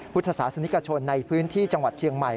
พุทธศาสนิกชนในพื้นที่จังหวัดเชียงใหม่